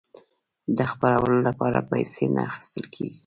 د خپرولو لپاره پیسې نه اخیستل کیږي.